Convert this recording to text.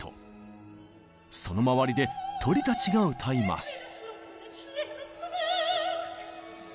その周りで鳥たちが歌います。